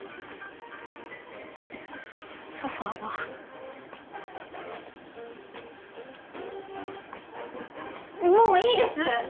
ソファーはもういいです！